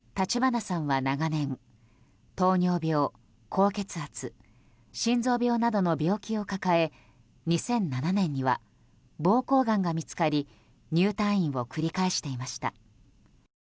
立花さんは長年糖尿病、高血圧心臓病などの病気を抱え２００７年には膀胱がんが見つかり入退院を繰り返していました。